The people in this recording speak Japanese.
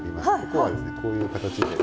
ここはこういう形で。